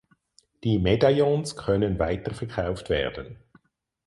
Die Medaillons können weiterverkauft werden.